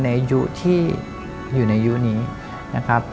ไม่เกี่ยวแน่นอนครับ